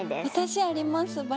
私あります。